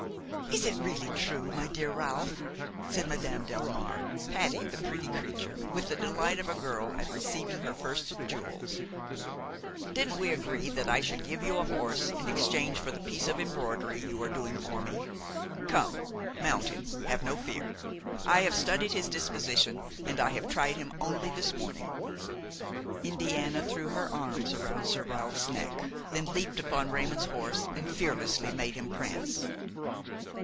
"Is it really true, my dear Ralph?" said Madame Delmare, patting the pretty creature with the delight of a girl at receiving her first jewels. "Didn't we agree that I should give you a horse in exchange for the piece of embroidery you are doing for me? Come, mount him, have no fear. I have studied his disposition, and I tried him only this morning." Indiana threw her arms around Sir Ralph's neck, then leaped upon Raymon's horse and fearlessly made him prance.